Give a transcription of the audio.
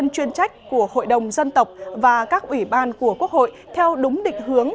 sách của hội đồng dân tộc và các ủy ban của quốc hội theo đúng định hướng